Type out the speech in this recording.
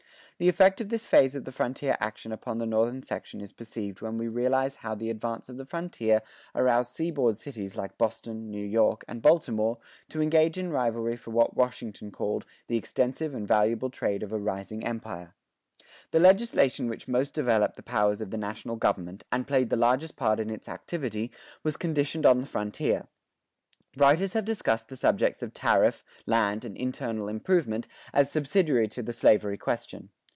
The effect of this phase of the frontier action upon the northern section is perceived when we realize how the advance of the frontier aroused seaboard cities like Boston, New York, and Baltimore, to engage in rivalry for what Washington called "the extensive and valuable trade of a rising empire." The legislation which most developed the powers of the national government, and played the largest part in its activity, was conditioned on the frontier. Writers have discussed the subjects of tariff, land, and internal improvement, as subsidiary to the slavery question.